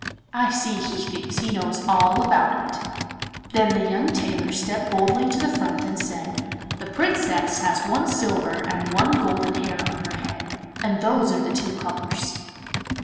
I see he thinks he knows all about it.' Then the young tailor stepped boldly to the front and said, 'The Princess has one silver and one golden hair on her head, and those are the two colours.